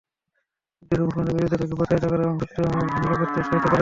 উদ্দেশ্য, মুসলমানদের বিরুদ্ধে তাকে প্ররোচিত করা এবং চুক্তি ভঙ্গ করতে উৎসাহিত করা।